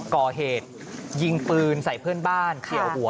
ก่อเหตุยิงปืนใส่เพื่อนบ้านเกี่ยวหัว